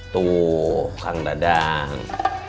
tuh kang dadang